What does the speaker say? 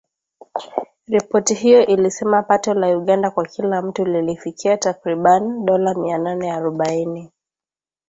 Ripoti hiyo ilisema pato la Uganda kwa kila mtu lilifikia takriban dola mia nane arubaini